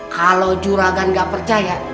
kalau juragan gak percaya